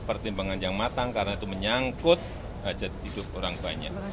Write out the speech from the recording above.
pertimbangan yang matang karena itu menyangkut hajat hidup orang banyak